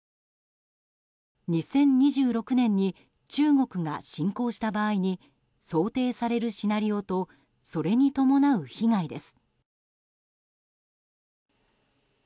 ２０２６年に中国が侵攻した場合に想定されるシナリオとそれに伴う被害です。